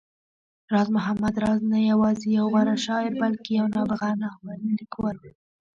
راز محمد راز نه يوازې يو غوره شاعر، بلکې يو نابغه ناول ليکوال و